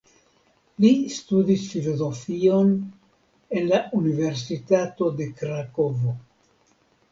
Li studis filozofion en la Universitato de Krakovo.